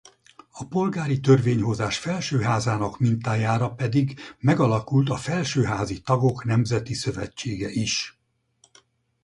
A polgári törvényhozás felsőházának mintájára pedig megalakult a Felsőházi Tagok Nemzeti Szövetsége is.